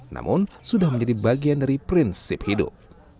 namun sudah menjadi bagian dari prinsip hidup